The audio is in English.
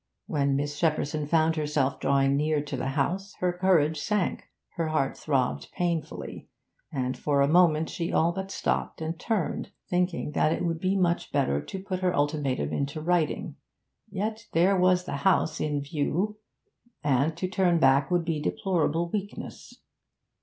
When Miss Shepperson found herself drawing near to the house, her courage sank, her heart throbbed painfully, and for a moment she all but stopped and turned, thinking that it would be much better to put her ultimatum into writing. Yet there was the house in view, and to turn back would be deplorable weakness.